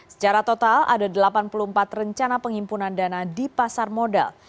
secara total ada delapan puluh empat rencana pengimpunan dana di pasar modal